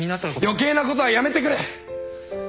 余計なことはやめてくれ！